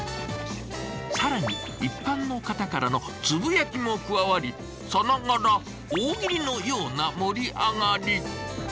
更に一般の方からのつぶやきも加わりさながら「大喜利」のような盛り上がり。